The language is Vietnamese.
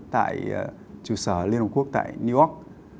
tại chủ sở liên hợp quốc tại new york